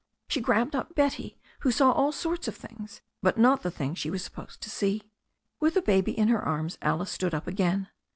She grabbed up Betty, who saw all sorts of things, but not the thing she was supposed to see. With the baby in her arms Alice stood up again.